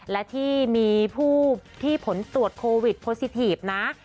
และที่มีผู้ที่ผลตรวจโควิดโพซิทีฟนะ